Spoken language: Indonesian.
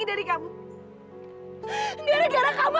dan dari kamu ambil gitu aja kamu tuh berangsa tau gak